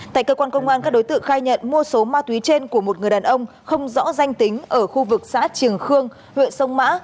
tại cơ quan công an các đối tượng khai nhận mua số ma túy trên của một người đàn ông không rõ danh tính ở khu vực xã trường khương huyện sông mã